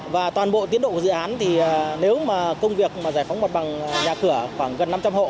và toàn bộ tiến độ của dự án thì nếu mà công việc mà giải phóng mặt bằng nhà cửa khoảng gần năm trăm linh hộ